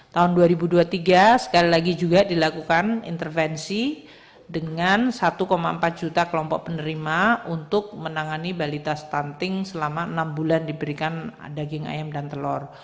tahun dua ribu dua puluh tiga sekali lagi juga dilakukan intervensi dengan satu empat juta kelompok penerima untuk menangani balita stunting selama enam bulan diberikan daging ayam dan telur